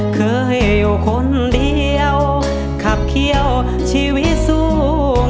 เคยอยู่คนเดียวขับเขี้ยวชีวิตสู้